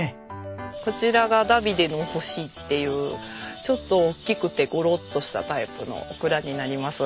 こちらがダビデの星っていうちょっと大きくてゴロッとしたタイプのオクラになります。